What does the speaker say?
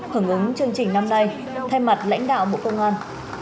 hưởng ứng chương trình năm nay thay mặt lãnh đạo bộ công an